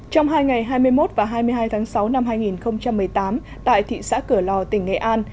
trong hai ngày hai mươi một và hai mươi hai tháng sáu năm hai nghìn một mươi tám tại thị xã cửa lò tỉnh nghệ an